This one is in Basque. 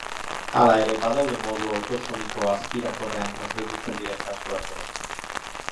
Hala ere, badaude modu autosomiko azpirakorrean transmititzen diren kasuak ere.